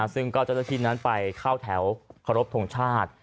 ซึ่งก็จะที่นั้นไปเข้าแถวครบทรงชาติ